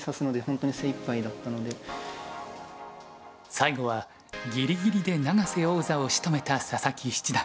最後はギリギリで永瀬王座をしとめた佐々木七段。